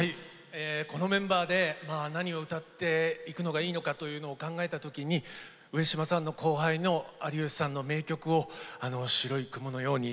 このメンバーで何を歌っていくのがいいのかっていうのを考えたときに上島さんの後輩の有吉さんの名曲「白い雲のように」